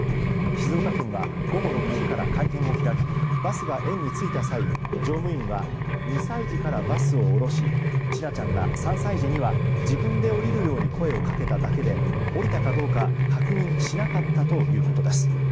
静岡県は午後６時から会見を開きバスが園に着いた際、乗務員は２歳児からバスを降ろし千奈ちゃんら３歳児には自分で降りるように声をかけただけで降りたかどうか確認しなかったということです。